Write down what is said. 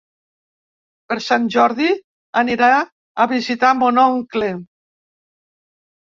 Per Sant Jordi anirà a visitar mon oncle.